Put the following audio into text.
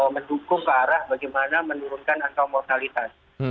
mendukung ke arah bagaimana menurunkan antamortalitas